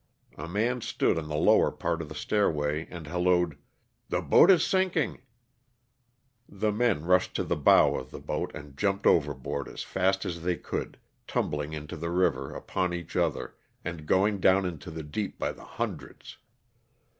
A man stood on the lower part of the stairway and hallooed, '' the boat is sinking !" The men rushed to the bow of the boat and jumped over board as fast as they could, tumbling into the river upon each other and going down into the deep by the hundreds.